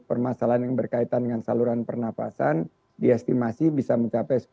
permasalahan yang berkaitan dengan saluran pernafasan di estimasi bisa mencapai